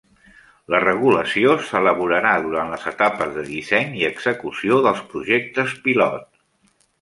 La regulació s'elaborarà durant les etapes de disseny i execució dels projectes pilot.